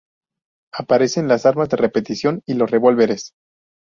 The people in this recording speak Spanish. Aparecen las armas de repetición y los revólveres.